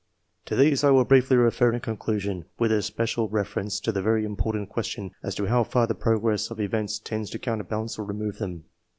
To these I will briefly refer in conclusion, with especial reference to the very important question as to how far the progress of events tends to counterbalance or remove them.